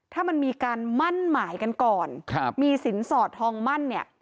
ถ้ามันมีการมั่นหมายกันก่อนครับมีสินสอดทองมั่นเนี่ย